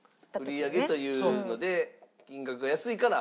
売り上げというので金額が安いから？